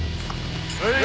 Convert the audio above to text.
はい！